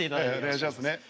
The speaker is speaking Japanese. お願いしますね。